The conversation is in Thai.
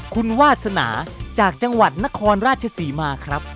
คุณวาสนาจากจังหวัดนครราชศรีมาครับ